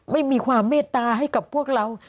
ไม่มีความเมตตาให้กับพวกเรา